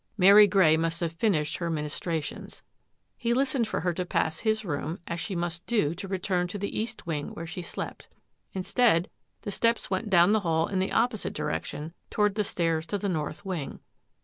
Mary Grey must have finished her ministrations. He listened for her to pass his room as she must do to return to the east wing where she slept. In stead the steps went down the hall in the opposite direction, toward the stairs to the north wing.